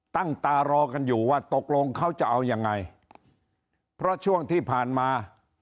ตั้งตารอกันอยู่ว่าตกลงเขาจะเอายังไงเพราะช่วงที่ผ่านมา